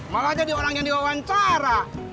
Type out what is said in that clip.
malah jadi orang yang di wawancara